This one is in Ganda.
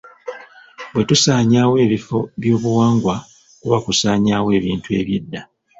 Bwe tusaanyawo ebifo byobuwangwa kuba kusaanyaawo ebintu eby'edda.